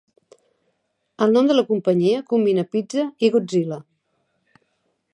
El nom de la companyia combina "pizza" i "Godzilla".